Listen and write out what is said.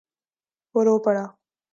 وہ رو پڑا۔